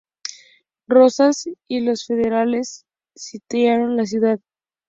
Rosas y los federales sitiaron la ciudad.